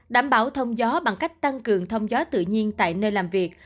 đảm bảo thông gió bằng cách tăng cường thông gió tự nhiên tại nơi làm việc